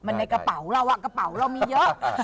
มันในกระเป๋าเรากระเป๋าเรามีเยอะ